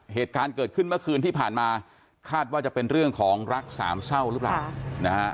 เหตุการณ์เกิดขึ้นเมื่อคืนที่ผ่านมาคาดว่าจะเป็นเรื่องของรักสามเศร้าหรือเปล่านะฮะ